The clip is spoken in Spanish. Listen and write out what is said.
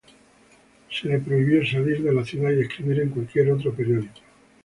Se le prohibió salir de la ciudad y escribir en cualquier otro periódico.